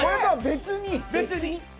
別に。